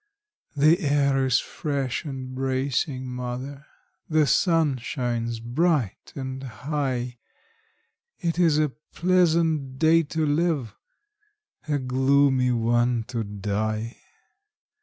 The air is fresh and bracing, mother; the sun shines bright and high; It is a pleasant day to live a gloomy one to die!